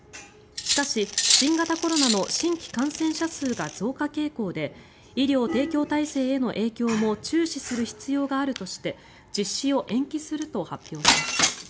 しかし、新型コロナの新規感染者数が増加傾向で医療提供体制への影響も注視する必要があるとして実施を延期すると発表しました。